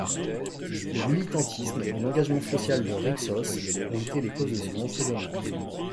Le militantisme et l'engagement social de Rítsos ont été les causes de son emprisonnement.